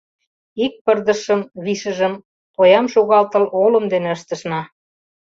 Ик пырдыжшым, вишыжым, тоям шогалтыл, олым дене ыштышна.